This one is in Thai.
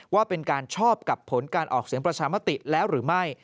ว่าเป็นการชอบกับผลการออกเสียงประชามติแล้วหรือไม่